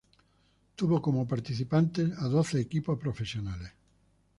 Tuvo como participantes a doce equipos profesionales.